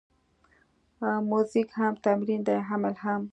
موزیک هم تمرین دی، هم الهام.